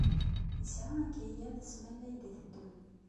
Yesɛa akayad ssmana i d-iteddun.